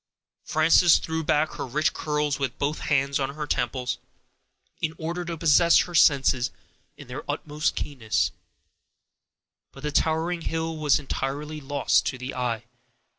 Frances threw back her rich curls with both hands on her temples, in order to possess her senses in their utmost keenness; but the towering hill was entirely lost to the eye.